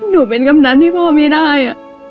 ลูกเป็นคำนั้นที่พ่อไม่ได้